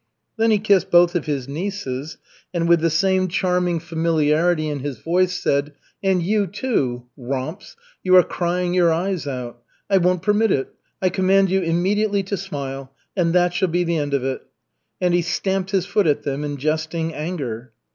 Then he kissed both of his nieces, and with the same charming familiarity in his voice, said: "And you, too, romps, you are crying your eyes out. I won't permit it. I command you immediately to smile. And that shall be the end of it." And he stamped his foot at them in jesting anger.